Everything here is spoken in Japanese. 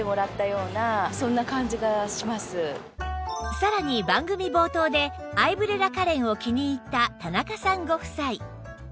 さらに番組冒頭でアイブレラカレンを気に入った田中さんご夫妻